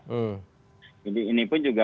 jadi ini pun juga